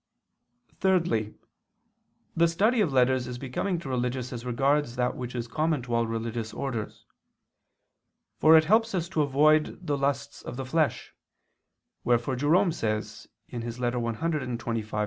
Thirdly, the study of letters is becoming to religious as regards that which is common to all religious orders. For it helps us to avoid the lusts of the flesh; wherefore Jerome says (Ep. cxxv ad Rust.